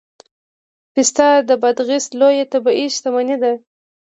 پسته د بادغیس لویه طبیعي شتمني ده